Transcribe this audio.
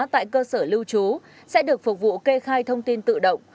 tại cơ sở lưu trú sẽ được phục vụ kê khai thông tin tự động